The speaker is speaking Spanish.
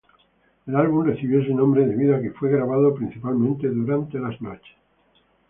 El álbum recibió ese nombre debido a que fue grabado principalmente durante las noches.